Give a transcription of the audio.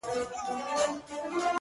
• ډېر مرغان سوه د جرګې مخي ته وړاندي,